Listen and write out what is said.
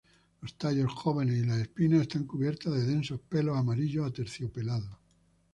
Los tallos jóvenes y las espinas están cubiertas de densos pelos amarillos aterciopelados.